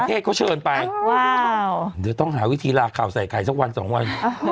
เทศเขาเชิญไปว้าวเดี๋ยวต้องหาวิธีลาข่าวใส่ไข่สักวันสองวัน